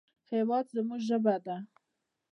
هېواد زموږ ژبه ده